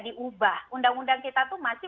diubah undang undang kita itu masih